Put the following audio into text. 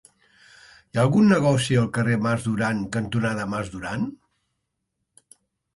Hi ha algun negoci al carrer Mas Duran cantonada Mas Duran?